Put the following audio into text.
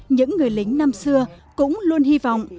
những người lính năm xưa cũng luôn hy vọng